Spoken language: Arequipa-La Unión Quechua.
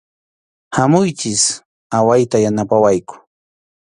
Hamuychik, awayta yanapawayku.